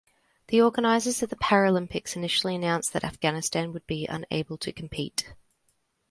The organizers of the Paralympics initially announced that Afghanistan would be unable to compete.